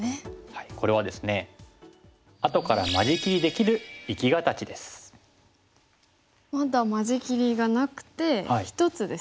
これはですねまだ間仕切りがなくて１つですよね。